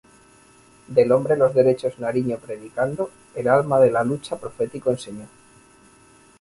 Del hombre los derechos Nariño predicando, el alma de la lucha profético enseñó.